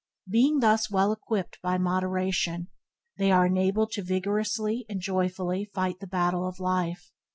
Beings thus well equipped by moderation, they are enabled to vigorously and joyfully fight the battle of life.